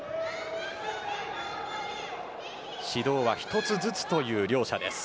指導は１つずつという両者です。